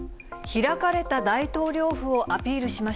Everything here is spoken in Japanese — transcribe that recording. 開かれた大統領府をアピール